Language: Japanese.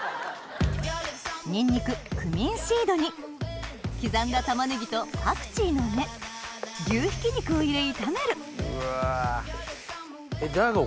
にんにくクミンシードに刻んだ玉ねぎとパクチーの根牛ひき肉を入れ炒めるＤＡＩＧＯ